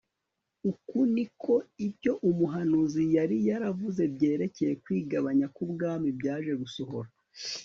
uko ni ko ibyo umuhanuzi yari yaravuze byerekeye kwigabanya k'ubwami byaje gusohora